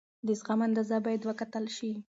د زغم اندازه باید وکتل شي.